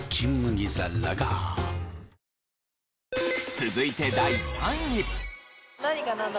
続いて第３位。